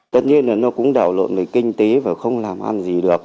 tất nhiên là nó cũng đảo lộn về kinh tế và không làm ăn gì được